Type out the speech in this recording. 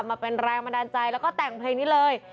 มาเป็นแรงบันดาลใจแล้วก็แต่งเพลงนี้เลย